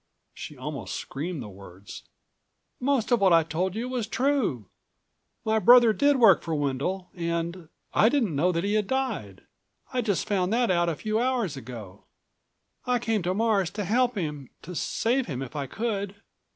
She almost screamed the words. "Most of what I told you was true. My brother did work for Wendel and ... I didn't know that he had died. I just found that out a few hours ago. I came to Mars to help him, to save him if I could.